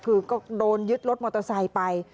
คือก็โดนยึดรถมอเตอร์ไซค์ไป